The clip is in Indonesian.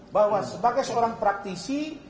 bahwa sebagai seorang praktisi